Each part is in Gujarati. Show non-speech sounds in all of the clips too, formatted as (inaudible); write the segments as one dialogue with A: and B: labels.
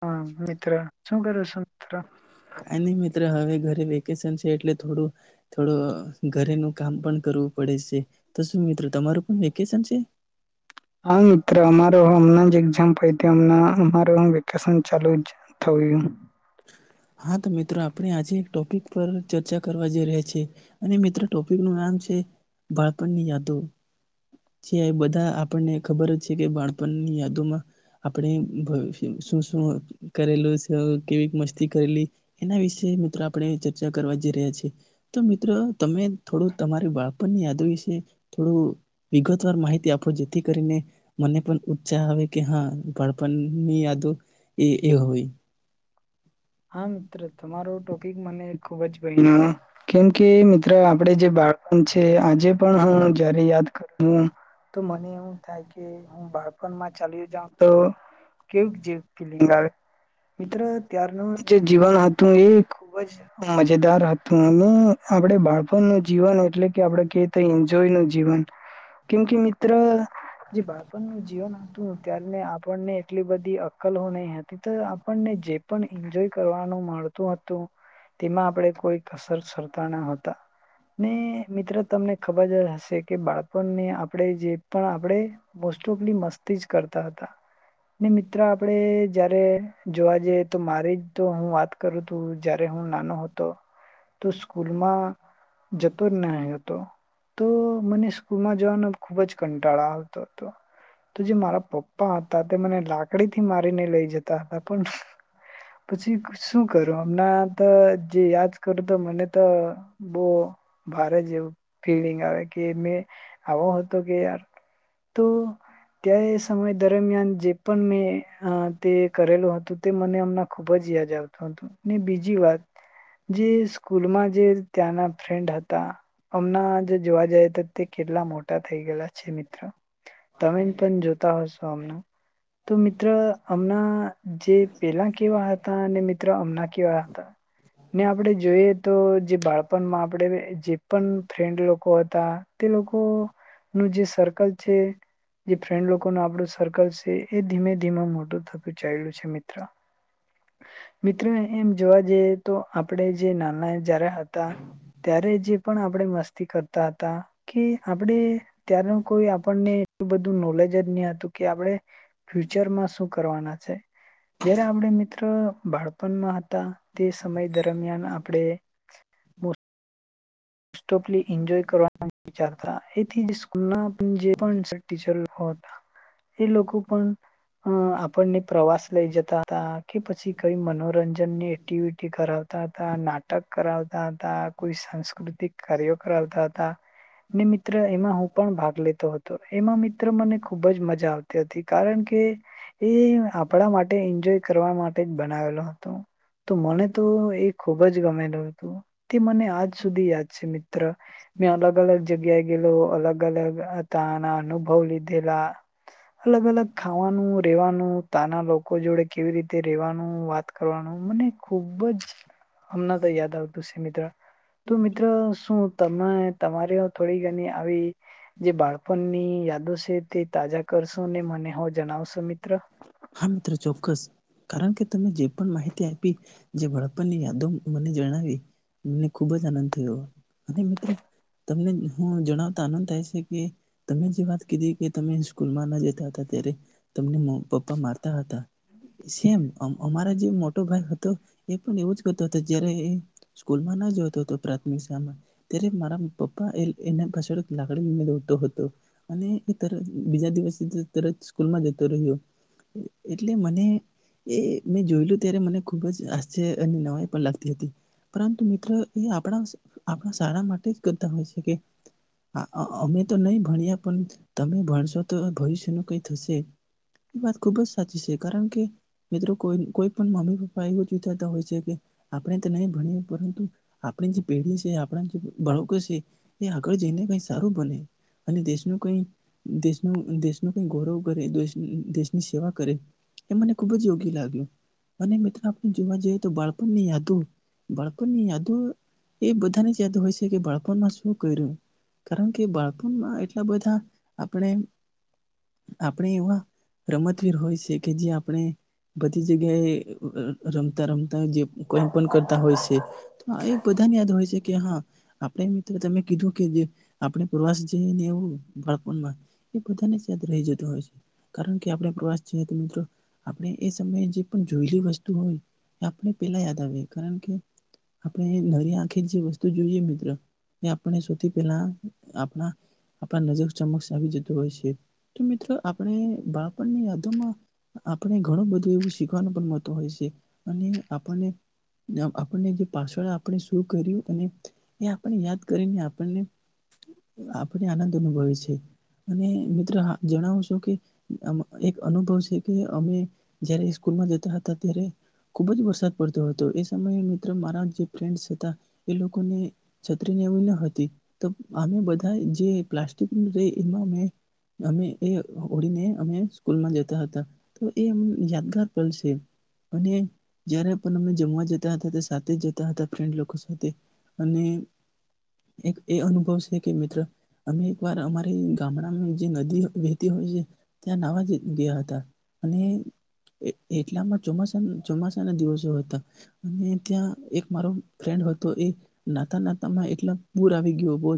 A: હા મિત્ર શું કરો છું મિતિત્ર.
B: ેકેશ છે એટલે થોડું. થોડો ઘરે નું કામ પણ કરું. પડે છે. તો શું મિત્રો તમારું પણ વેકેશન છે
A: હા મિત્ર અમારોમ એક્ામ. વિકશન ચાલુ. જ થયું.
B: હા તો મિત્રો આપણે આજે. ટોપિક પર ચર્ચા કરવા જઈ રહ્યા છે અને મિત્રો ટોપિક નું નામ છે બાળપણની યાદો જે એ બધા આપણને ખબર જ છે કે બાળપણની યાદોમાં આપણે શું શું. કરેલું છે કેવી મસ્તી કરેલી એના વિશે મિત્રો આપણે ચર્ચા કરવા જઈ રહ્યા છીએ તો મિત્રો તમે થોડું તમારી બાળપણની યાદો વિશે થોડું વિગતવાર માહિતી આપો જેથી કરીને મને પણ ઉત્સાહ આવે કે હા બાળપણની યાદો. એ એ હ.
A: હા મિત્ર તમારો ટોપિક મને. ખુબ જ ભય કેમકે મિત્ર આપડ જે બાળણ છે આજે પણ હું જયારે યાદ કરું. તો મને એવું થાય કે હું બાળપણમાં ચાલ્યો જાઉ તો કે જે ફલંગ આવે મિત્ર તાર. જીવન હતું એ ખુબ જ મજેદાર હતું અને આપડ બાળપણનુંું જીવન એટલે કે આપડે ક એન્જોય નું. જીવન. કેમ કે મિત્ર જે બાળપણનું જીવન આવતું ત્યારેને આપણને. એટલી બધી. લ ન હતી તો આપણને જે પણ એન્જોય. કરવાનું મળતું હતું. તેમાં આપડે કોઈ. કસર સુરતાના હોતા. ને મિત્ર. તમને ખબર જ હશે કે બાળપણને આપણે જે પણ આપણે. વસ્તુપલી મસ્તીજ કરતા. તા હતા. ને મિત્ર આપડે. જયારે જોવા જઈએ તો મારે જ. તો હું વાત કરું તું જયારે હું નાનો હતો તો સ્કૂલમાં. જતો જ ના હતો તો મને સ્કૂલમાં. જોવાનો ખુબ જ કંટાળો આવતો હતો તો જે મારા પપ્પ હતા તે મને લાકડી થી મારીને લઈ જતા હતા પણ પછી શું કરું હમણાં તો જે યાદ કરું તો મને તો બહ ભારે જેવુ ફિલિંગ આવે કે મે આવો હતો કે યાર તો
B: હમ
A: ત્યાં એ સમય દરમિયાન જે પણ મેં તે કરેલું હતું તે મને અમના ખુબ જ યાદ આવતું હતું, ને બીજી વાત જે સ્કૂલમાં જે ત્યાંના ફ્રેન્ડ હતા અમના જે જોવા જાય હતા તે કેટલા મોટા થઈ ગયેલા છે મિત્રો તમે પણ જોતા હશો અમના
B: હમ
A: હમણાં જે પેલા કેવા હતા ને મિત્ર અમના કેવા હતા ને, આપણે જોઈએ તો જે બાળપણમાં આપડે જે પણ ફ્રેન્ડ લોકો હતા તે લોકો નું જે સર્કલ છે જે ફ્રેન્ડ લોકોનું આપડું સર્કલ છે એ ધીમે ધીમે મોટું થતું ચાલ્યું છે મિત્ર મિત્રો એમ જોવા જઈએ તો આપણે જે નાના જ્યારે હતા ત્યારે જે પણ આપણે મસ્તી કરતા હતા કે આપણે ત્યારે કોઈ આપણને એટલું બધું નોલેજ જ નહી હતું કે આપણે ફ્યુચર માં શું કરવાના જયારે આપણે મી બાળપણમાં હતા તે સમય દરમિયાન આપણે મો મોસ્ટઓફ્લી એન્જોય કરવાના વિચારતા એથી સ્કૂલ ના જે પણ સર ટીચર લોકો હતા એ લોકો પણ અ આપણને પ્રવાસ લઈ જતા હતા કે પછી કઈ મનોરંજનની એક્ટિવિટી કરાવતા હતા નાટક કરાવતા હતા કોઈ સાંસ્કૃતિક કાર્યો કરાવતા હતા ને મિત્ર એમાં હું પણ ભાગ લેતો હતો એમાં મિત્ર મને ખુબ જ મજા જાવતી હતી કારણ કે એ આપણા માટે એન્જોય કરવા માટે જ બનાવેલો હતો તો મને તો એ ખૂબ જ ગમેલું હતું તે મને આજ સુધી યાદ છે મિત્ર મેં અલગ અલગ જગ્યાએ ગયેલો અલગ અલગ તાના અનુભવ લીધેલા અલગ અલગ ખાવાનું રેવાનું તાના લોકો જોડે કેવી રીતે રેવાનું વાત કરવાનું મને ખુબ જ હમણા તો યાદ આવતું શે મિત્ર
B: હમ્મ
A: મિત્ર તો શું તમે તમારે થોડી ઘણી આવી જે બાળપણની યાદો છે તે તાજા કરશો ને મને હો જણાવશો મિત્ર
B: હા મિત્ર ચોક્કસ કારણ કે તમે જે પણ માહિતી આપી જે વડપણની યાદો મને જણાવી મને ખુબ જ આનંદ થયો અને મિત્ર તમને હું જણાવતા આનંદ થાય છે, કે તમે જે વાત કીધી કે તમે સ્કૂલમાં ના જતા હતા ત્યારે તમને મો પપ્પા મારતા હતા સેમ, અમારા જે મોટો ભાઈ હતો એ પણ એવો જ કરતો હતો જયારે એ સ્કૂલમાં ના જતો હતો પ્રાથમિક શામાં ત્યારે મારા પપ્પા એના પાછળ લાકડીમે દોડતો હતો, અને એ તરત બીજા દિવસે જ તરત સ્કૂલ માં જતો રહ્યો એટલે મને એ મેં જોયલું ત્યારે મને ખુબ જ આશ્ચર્ય અને નવાઈ પણ લાગતી હતી પરંતુ મિત્રો એ આપણા આપણા શારા માટે જ કરતા હોય છે કે અ અમે તો નહીં ભણ્યા પણ તમે ભણશો તો ભવિષ્યનું કંઈ થશે. એ વાત ખુબ જ સાચી છે. કારણ કે મિત્રો કોઈ કોઈ પણ મમ્મી પપ્પા એવું જ વિચારતા હોય છે. કે આપણે તો નહીં ભણીએ પરંતુ આપણી જે પેઢી છે. આપણા જે બાળકો છે. એ આગળ જઈને કઈ સારું બને અને દેશનું કઈ દેશનું દેશનું કઈ ગૌરવ કરે દે. દેશની સેવા કરે એ મને ખુબ જ યોગ્ય લાગ્યું અને મિત્રો આપણે જોવા જઈએ તો બાળપણની યાદો બાળપણની યાદો એ બધાની યાદ હોય છે કે બાળપણમાં શું કર્યું. કારણ કે બાળપણમાં એટલા બધા આપણે આપણી એવા રમતવીર હોય છે કે જ્યાં પણે બધી જગ્યાએ અ રમતા રમતા જે કોઈ પણ કરતા હોય છે બધાને યાદ હોય છે કે હા આપણે મિત્ર તમે કીધું કે જે આપણે પ્રવાસ જઈએ ને એવું બાળપણમાં એ બધાને યાદ રહી જતું હોય છે. કારણ કે આપણે પ્રવાસ છએ તો મિત્રો આપણે એ સમયે જે પણ જોયેલી વસ્તુ હોય એ આપણે પેલા યાદ આવે કારણ કે આપણેે એ નરી આંખે જે વસ્તુ તો જોઈએ મિત્ર એ આપણે સૌથી પહેલા આપણા આપણા નજર ચમક્ષ આવી જતું હોય છે. તો મિત્રો આપણે બાળપણની યાદોમાં આપણે ઘણું બધું એવું શીખવાનું પણ મોક હોય છે અને આપને આપણને જે પાછળ આપણે શું કર્યું અને એ આપણે યાદ કરીને આપણને આપ આનંદ અનુભવે છે અને મિત્ર જણાવું છું કે એક અનુભવ છે કે અમે જયારે સ્કૂલમાં જતા હતા ત્યારે ખુબ જ વરસાદ પડતો હતો એ સમયે મિત્ર મારા જે ફન્ડ હતા એ લોકોને છતરીને એવી ન હતી તો અમે બધા જે પ્લાસ્ટિક ર એમાં અમે એ ઓડીને અમાં જતા હતા તો એમ યાદગાર પલ છે અને જયારે પણ અમે જમવા જતા હતા સાથે જ જતા હતા ફ્રેડ લોકો સાથે અને એક એ અનુભવ છે કે મિત્ર અમે એક વાર અમારી ગામડામાં જે નદી વહેતી હોય છે. ત્યાં નાવા જ ગયા હતા અને એટલામાં ચોમાસા ચોમાસાના દિવસો હતા અને ત્યાં એક મારો ફ્રેન્ડ હતો એ નાતા નાતામાં એટલા પૂર આવી ગયો બ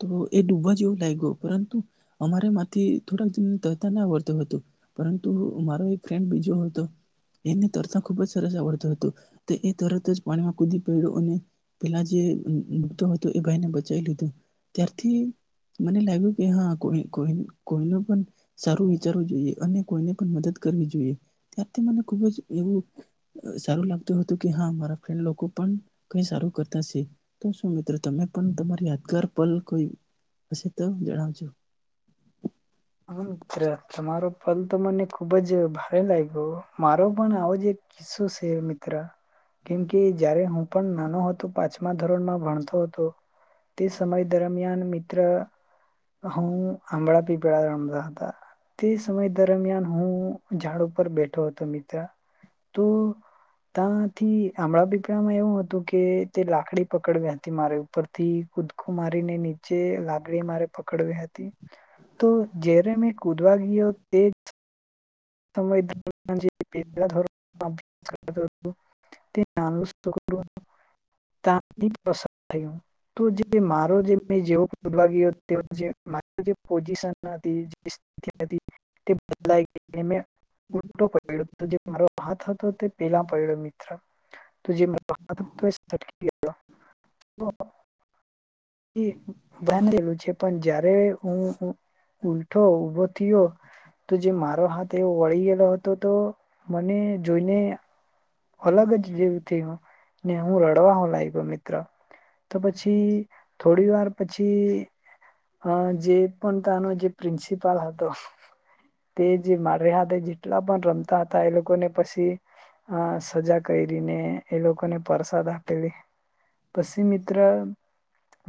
B: તો એ ડૂબવા જેવું લાગ્યું પરંતુ અમારે માંથી થોડાક આવડત હતો પરંતુ મારો એક ફ્રેન્ડ બીજો હતો એને તરતા ખુબ જ સરસ આવડતો હતો એ તરત જ પાણીમાં કૂદી પ્યો અને પેલા જે ડૂતો હતો એ ભાઈને બચાવી લીધો ત્યારથી મને લાગ્યું કે હા કોઈઈ કોઈનું પણ સારું વિચારવું જોઈએ અને કોઈને પણ મદદ કરવી જોઈએ ત્યારથી મને ખુબ જ એવું સારું લાગતું હતું કે હા મારા ફન્ડ લોકો પણ કઈ સારું કરતા છે તો શું મિત્રો તમે પણ તમારી યાદગાર પલ કોઈ હશે તો જણાવજો.
A: હ મિત્ર તમારો ફલ તો મને ખુબ જ ભારે લાગ્યો મારો પણ આવો જ એક કિસ્સો છે મિત્ર કેમ કે જયારે હું પણ નાનો હતો પાંચમા ધોરણમાં ભણતો હતો. તે સમય દરમિયાન મિત ત્ર. હું હમણાં બી તમઝા હતા. તે સમય દરમિયાન હું ઝાડ ઉપર બેઠો હતો મિત્ર. તો ત્યાથી હમણાં પીપળમાં એવું હતું કે તે લાકડી પકડવી હતી મારે ઉપરથી કુદકું મારીને નીચે લાકડી મારે પકડવી હતી. તો જયારે મેં કૂદવા ગયો તે જ સંવિધાનજી પેલા ધોરણ (inaudible) (unintelligible) પોઝિશન હતી જે સ્થિતિ હતી તે બદલાય ગઈ. એ મે ઉલટો પયડોતો જે મારો હાથ હતો તે પેલા પયડો મિત્ર તો જે (unintelligible) (inaudible) એ બાંધેલું છે પણ જયારે હું ઉલટો ઉભો થયો તો જે મા તે વળી ગયેલો હતો તો મને જોઈને અલગ જ જેવું થું ને હું રડવા હ લ થ પ મિત્ર. તો પછી થોડી વાર પછી અ જે પણ તાનો જે પ્રિન્સિપાલ હતો તે જે મારે હાથે જેટલા પણ રમતા હતા એ લોકોને પછી અ સજા કયરિને એ લોકોને પરસાદ આપેલી પછી મિત્ર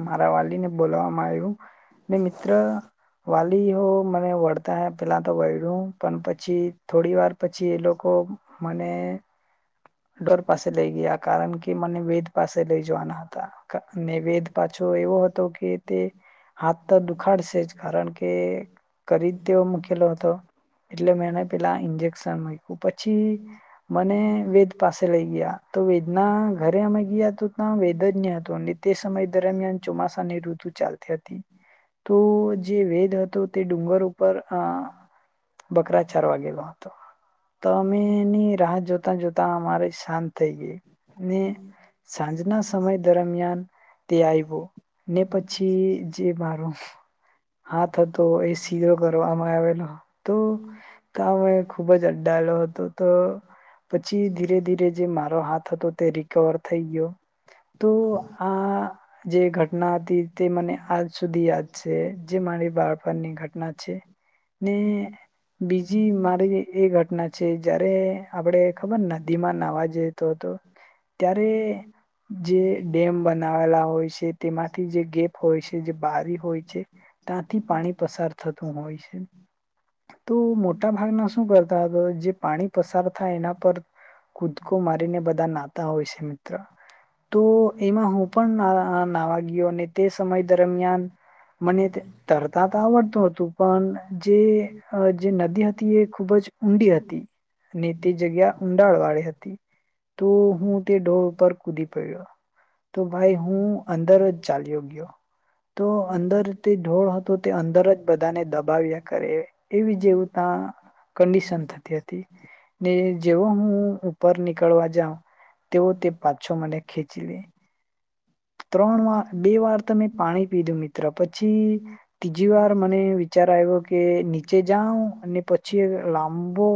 A: મારા વાલીને બોલાવામાં આવ્યું ને મિત્ર વાલી હો મને વળતા હ પેલા તો વળ્યું પણ પછી થોડી વાર પછી એ લોકો મને ડોર પાસે લઈ ગયા કારણ કે મને વેદ પાસે લઈ જવાના હતા અને વેદ પાછો એવો હત તો કે તે હાથ તો દુખાડશે જ કારણ કે કરી તેવો મૂકેલો હતો એટલે મે પેલા ઈન્જેક્શન મૂક્યુ પછી વેદ પાસે લઈ ગયા તો વેદ ના ઘરે અમે ગિયા તો તા વૈદ જ ની હતો અને તે સમય દરમિયાન ચોમાસાની ઋતુ ચાલતી હતી. તો જે વેદ હતો તે ડુંગર ઉપર અ બકરા ચારવા ગેલો હતો તો અમે એની જતા જતા અમારે સાંજ થઈ ગઈ ને સાંજના સમય દરમિયાન તે આવ્યો ને પછી જે મારો હાથ હતો એ સીધો કરવામાં આવેલો તો તા મેં ખુબ જ અરડાયેલો હતો તો પછી ધીરે ધીરે જે મા હાથ હતો તે રિકવર થઈ ગયો. તો આ જે ઘટના હતી તે મને આજ સુધી યાદ છે જે મારી બાળપણની ઘટના છે ને બીજી મારી એ ઘટના છે જયારે આપડે ખબર નદીમાં નાવા જતો હતો. ત્યારે જે ડેમ બનાવેલા હોય છે તેમાંથી જે ગેપ હોય છે જે બારી હોય છે ત્યાંથી પાણી પસાર થતું હોય છે તો મોટા ભાગના શું કરતા હતા જે પાણી પસાર એના પર કૂદકો મારીને બધા નાતા હોય છે મિત્ર. તો એમાં હું પણ નાવા ગીયો અને તે સમય દરમિયાન મને તરતા તો આવડતું હતું પણ જે અ (inaudible) જે નદી હતી એ ખૂબ જ ઊંડી હતી ને તે જગ્યા ઊંડાણ વાળી હતી. તોું હું તે ડોગ પર કૂદી પડ્યો તો ભાઈ હું અંદર જ ચાલ્યો ગયો તો અંદર તે ઢોળ હતો તે અંદર જ બધાને દબાવ્યા કરે એવી જેવું ત્યાં કંડિશન થતી હતી. ને જેવો હું ઉપર નીકળવા જાઉં તેવો તે પાછો મને ખેચી લે. ત્રણ વાર બે વાર ત મેં પાણી પીધું મિત્ર પછી ત્રીજી વાર મને વિચાર આવ્યો કે નીચે જાવ અને પછી લાંબો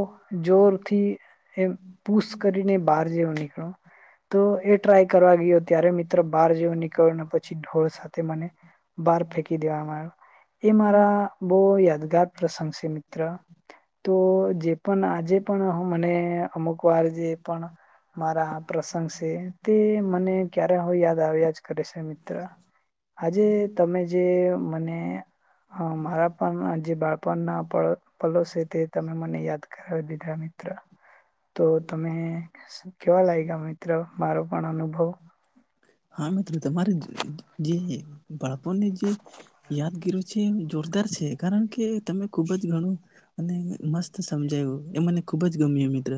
A: જોરથી એ પુસ કરીને બહાર જેવો નીકળું તો એ ટ્રાય કરવા ગયો ત્યારે મિત્ર બહાર જેવું નીકળ્યો પછી ઢોળ સાથે મને બહાર ફેંકી દેવાવામાં આવ્યો. એ મારા બહુ યાદગાર પ્રસંગ છે. મિત્ર તો જે પણ આજે પણ હું મને અમુક વાર જે પણ મારા પ્રસંગ છે. તે મને ક્યારેક યાદ આવ્યા જ કરે છે મિત્ર. આજે તમે જેમ મને અ મારા પણ જે બાળપણના પલો છે તે તમે મને યાદ કરાવી દીધા મિત્ર તો તમે કેવા લાયગા મિત્રો. મારો પણ અનુભવ
B: હા મિત્ર તમારે જ જે બાળપણની જે યાદગીરો જેમજોરદાર છે કારણ કે તમે ખુબ જ ઘણું અને મસ્ત સમજાયું, એ મને ખુબ જ ગમ્યું મિત્ર.